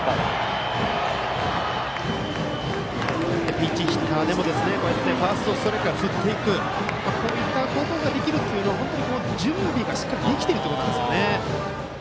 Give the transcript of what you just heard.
ピンチヒッターでもファーストストライクから振っていくことができるのは準備がしっかりできているということですね。